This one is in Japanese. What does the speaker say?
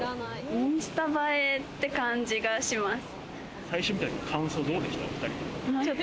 インスタ映えって感じがします。